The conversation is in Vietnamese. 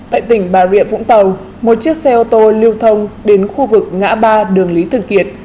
tại tỉnh bà rịa vũng tàu một chiếc xe ô tô lưu thông đến khu vực ngã ba đường lý thần kiệt